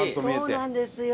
そうなんですよ。